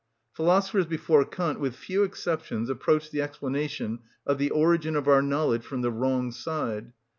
Philosophers before Kant, with few exceptions, approached the explanation of the origin of our knowledge from the wrong side.